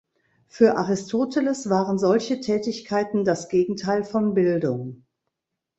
Für Aristoteles waren solche Tätigkeiten das Gegenteil von Bildung.